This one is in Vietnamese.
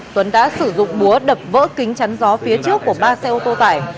tuấn đã sử dụng búa đập vỡ kính chắn gió phía trước của ba xe ô tô tải